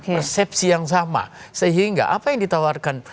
persepsi yang sama sehingga apa yang ditawarkan